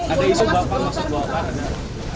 ada isu pak jokowi masuk golkar